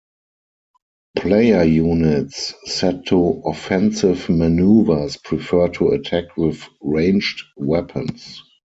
Player units set to offensive maneuvers prefer to attack with ranged weapons.